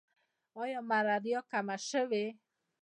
آیا ملاریا کمه شوې؟